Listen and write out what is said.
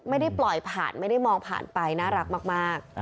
ไม่ได้ปล่อยผ่านไม่ได้มองผ่านไปน่ารักมาก